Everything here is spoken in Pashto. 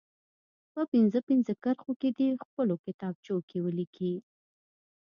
په پنځه پنځه کرښو کې دې په خپلو کتابچو کې ولیکي.